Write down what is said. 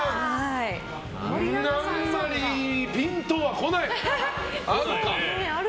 あんまりピンとはこない。